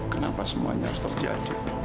kenapa semuanya harus terjadi